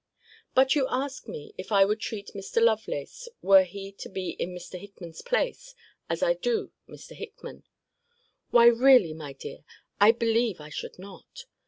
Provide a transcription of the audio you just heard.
But you ask me, if I would treat Mr. Lovelace, were he to be in Mr. Hickman's place, as I do Mr. Hickman? Why really, my dear, I believe I should not.